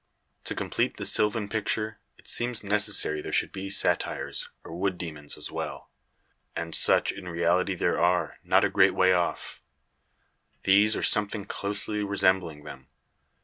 To complete the sylvan picture, it seems necessary there should be satyrs, or wood demons, as well. And such in reality there are, not a great way off. These, or something closely resembling them.